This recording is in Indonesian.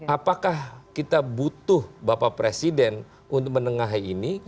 apakah kita butuh bapak presiden untuk menengahi ini